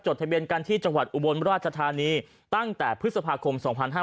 ทะเบียนกันที่จังหวัดอุบลราชธานีตั้งแต่พฤษภาคม๒๕๕๙